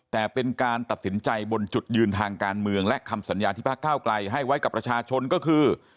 แต่เป็นการตัดสินใจบนจุดยืนทางการเมืองและคำสัญญาที่พักเก้าไกลให้ไว้กับประชาชนก็คือ